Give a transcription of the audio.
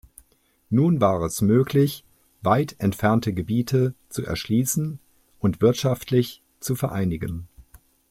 Nun war es möglich weit entfernte Gebiete zu erschließen und wirtschaftlich zu vereinigen.